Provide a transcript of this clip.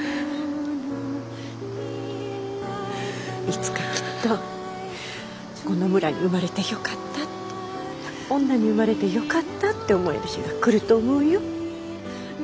いつかきっとこの村に生まれてよかったって女に生まれてよかったって思える日が来ると思うよ。